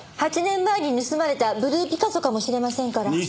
８年前に盗まれたブルーピカソかもしれませんから。